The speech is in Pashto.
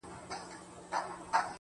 پرون مي غوښي د زړگي خوراك وې.